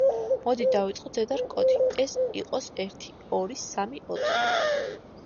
მოდი დავიწყოთ ზედა რკოთი: ეს იყოს ერთი, ორი, სამი, ოთხი.